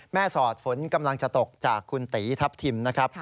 สอดฝนกำลังจะตกจากคุณตีทัพทิมนะครับ